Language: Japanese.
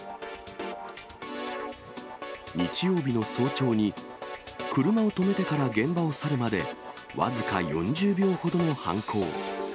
日曜日の早朝に車を止めてから現場を去るまで僅か４０秒ほどの犯行。